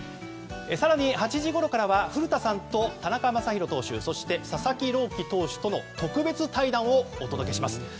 更に、８時ごろからは古田さんと田中将大投手そして佐々木朗希投手との特別対談をお届けします。